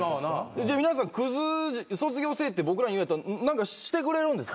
じゃあ皆さんクズ卒業せえって僕らに言うんやったら何かしてくれるんですか？